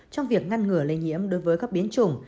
trong việc ngăn ngừa lây nhiễm đối với các biến chủng